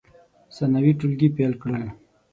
ثانوي ټولګي پیل کړل.